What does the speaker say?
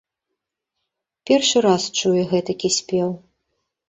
Першы раз чуе гэтакі спеў.